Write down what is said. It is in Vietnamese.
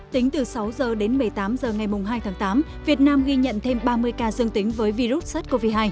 tính từ sáu h đến một mươi tám h ngày hai tháng tám việt nam ghi nhận thêm ba mươi ca dương tính với virus sars cov hai